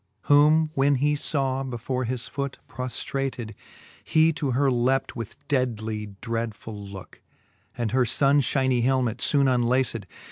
Whom when he faw before his foote proftrated, . He to her lept with deadly dreadfuli looke. And her funfhynie helmet foone unlaced.